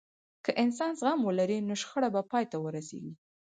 که انسان زغم ولري، نو شخړه به پای ته ورسیږي.